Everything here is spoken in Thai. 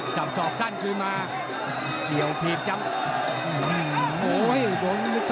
สับสอบสั้นคือมาเกี่ยวผิดจับ